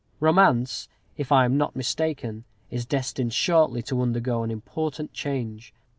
Romance, if I am not mistaken, is destined shortly to undergo an important change.